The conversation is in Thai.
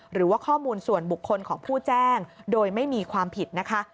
หรือว่าข้อมูลส่วนบุคคลของผู้แจ้งโดยไม่มีความผิดนะคะ